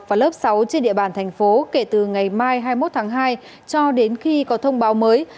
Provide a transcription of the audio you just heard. và lớp sáu trên địa bàn thành phố kể từ ngày mai hai mươi một tháng hai cho đến khi có thông báo mới